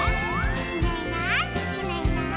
「いないいないいないいない」